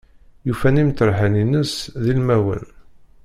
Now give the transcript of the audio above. Yufa-n imṭerḥen-ines d ilmawen.